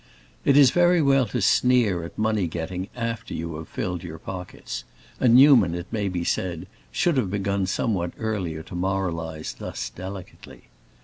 It is very well to sneer at money getting after you have filled your pockets, and Newman, it may be said, should have begun somewhat earlier to moralize thus delicately.